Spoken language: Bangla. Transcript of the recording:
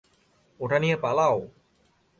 ওটা নিয়ে পালাও।